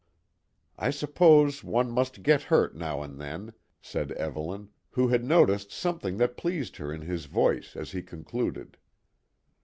"I suppose one must get hurt now and then," said Evelyn, who had noticed something that pleased her in his voice as he concluded.